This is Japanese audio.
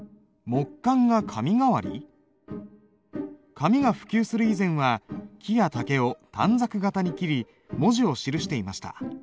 紙が普及する以前は木や竹を短冊形に切り文字を記していました。